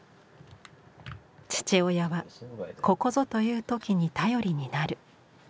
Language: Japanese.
父親はここぞという時に頼りになる。